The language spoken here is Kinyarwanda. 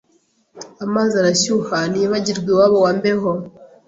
Amazi arashyuha ntiyibagirwa iwabo wa mbeho